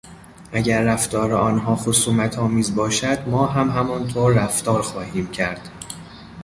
اگر رفتار آنها خصومتآمیز باشد ما هم همانطور رفتار خواهیم کرد.